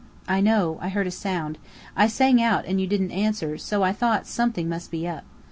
"I know. I heard a sound. I sang out, and you didn't answer, so I thought something must be up.